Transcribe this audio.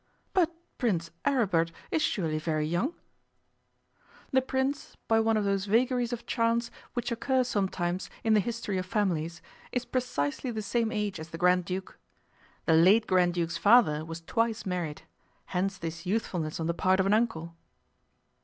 'But Prince Aribert is surely very young?' 'The Prince, by one of those vagaries of chance which occur sometimes in the history of families, is precisely the same age as the Grand Duke. The late Grand Duke's father was twice married. Hence this youthfulness on the part of an uncle.